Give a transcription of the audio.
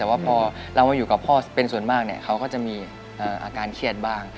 แต่ว่าพอเรามาอยู่กับพ่อเป็นส่วนมากเขาก็จะมีอาการเครียดบ้าง